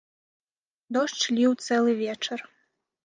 Дождж ліў цэлы вечар.